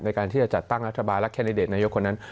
ในการที่จะจัดตั้งรัฐบาลและแคนดิเดตนายกคนนั้น